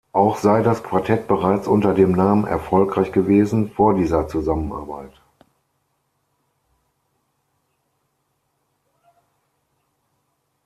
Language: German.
Auch sei das Quartett bereits unter dem Namen erfolgreich gewesen vor dieser Zusammenarbeit.